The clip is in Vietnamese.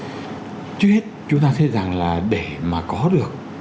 trước hết chúng ta thấy rằng là để mà có được